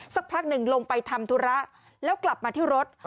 สักพักหนึ่งลงไปทำธุระแล้วกลับมาที่รถ